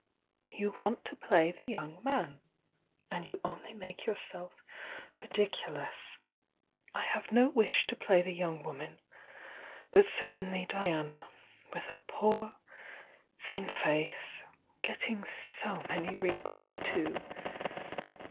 You want to play tiie young man, and you only make yourself ridiculous,— I have no wish to play the young woman, but certainly Diana, with her poor tJiin face— gettmg so many wrinkles, too!